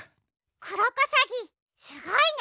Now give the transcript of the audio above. クロコサギすごいね！